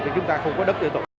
thì chúng ta không có đất tiêu tội